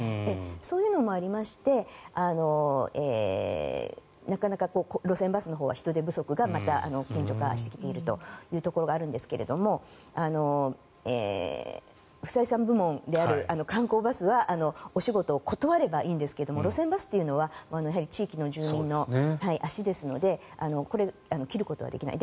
そういうのもありましてなかなか路線バスのほうは人手不足がまた顕著化してきているというところがあるんですが不採算部門である観光バスはお仕事を断ればいいんですが路線バスというのは地域の住民の足ですのでこれを切ることはできない。